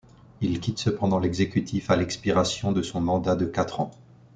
Il quitte cependant l'exécutif à l'expiration de son mandat de quatre ans.